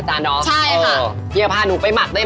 แล้วก็พริกเล็ก